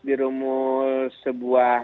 di rumus sebuah